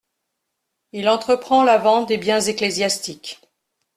Il entreprend la vente des biens ecclésiastiques.